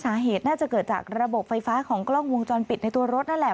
สาเหตุน่าจะเกิดจากระบบไฟฟ้าของกล้องวงจรปิดในตัวรถนั่นแหละ